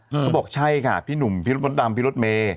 เขาบอกใช่ค่ะพีฝนตำพีฝเม